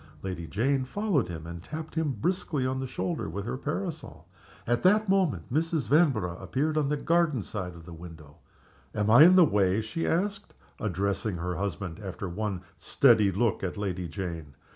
Lady Jane followed him, and tapped him briskly on the shoulder with her parasol. At that moment Mrs. Vanborough appeared on the garden side of the window. "Am I in the way?" she asked, addressing her husband, after one steady look at Lady Jane.